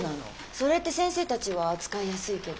それって先生たちは扱いやすいけど。